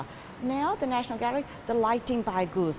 sekarang di national gallery peta lampu bagus